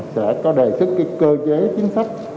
sẽ có đề xuất cái cơ chế chính sách